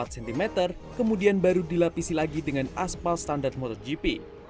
empat cm kemudian baru dilapisi lagi dengan aspal standar motogp